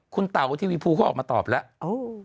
คุณต่าวทรีวีพรูก็ออกมาตอบแล้ว